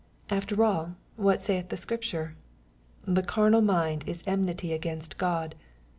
After all, what saith the Scripture ?" The carnal mind is enmity against God."